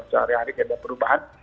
sehari hari keadaan perubahan